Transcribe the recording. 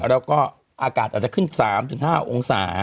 แล้วก็อากาศอาจจะขึ้น๓๕องศา